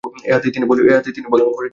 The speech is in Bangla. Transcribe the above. এ হাতেই তিনি বোলিং করেছেন।